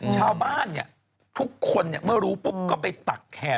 ชาวบ้านเนี่ยทุกคนเมื่อรู้ปุ๊บก็ไปตักแห่